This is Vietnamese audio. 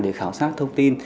để khảo sát thông tin